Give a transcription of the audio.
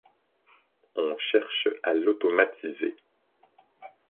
On cherche à l’automatiser.